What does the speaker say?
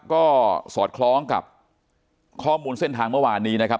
ก็สอดคล้องกับข้อมูลเส้นทางเมื่อวานนี้นะครับ